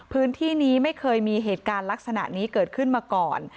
พื้นที่นี้ไม่เคยมีเหตุการณ์ลักษณะนี้เกิดขึ้นมาก่อน